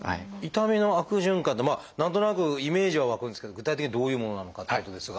痛みの悪循環って何となくイメージは湧くんですけど具体的にどういうものなのかっていうことですが。